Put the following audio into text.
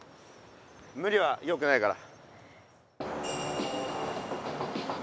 むりはよくないから。